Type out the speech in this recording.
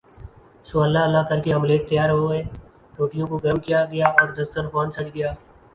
سو اللہ اللہ کر کے آملیٹ تیار ہوئے روٹیوں کو گرم کیا گیااور دستر خوان سج گیا